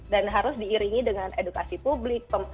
harus diiringi dengan edukasi publik